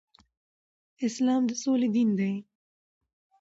اسلام د سولې دين دی